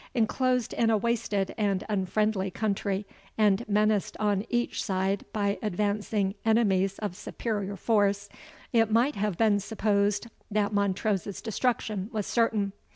Enclosed in a wasted and unfriendly country, and menaced on each side by advancing enemies of superior force, it might have been supposed that Montrose's destruction was certain.